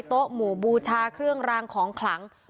โต๊ะหมู่บูชาเครื่องรางของขลัง